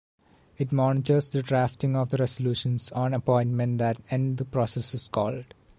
It monitors the drafting of the resolutions on appointment that end the processes called.